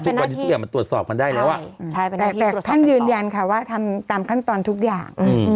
ทุกวันนี้ทุกอย่างมันตรวจสอบกันได้แล้วแต่ท่านยืนยันค่ะว่าทำตามขั้นตอนทุกอย่าง